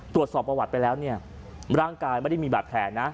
ตรวจสอบประวัติไปแล้วเนี่ยร่างกายไม่ได้มีบาดแผลนะ